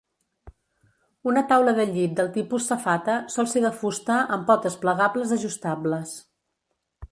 Una taula de llit del tipus safata, sol ser de fusta amb potes plegables ajustables.